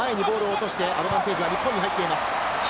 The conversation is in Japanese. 前にボールを落として、アドバンテージが日本に入っています。